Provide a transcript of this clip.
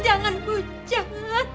jangan bu jangan